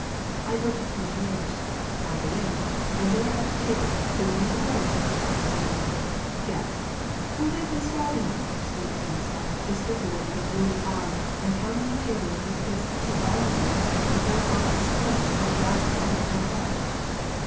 I go to the commissioner's. I go in. And there at the table, who do you suppose ? No ! Guess. Who has been starving us ?" screamed Denisof, gesticulating his wounded arm, and pounding the table with his fist so violently that the board almost split and the glasses on it jumped up.